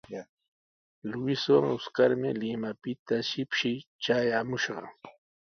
Luiswan Oscarmi Limapita shipshi traayaamushqa.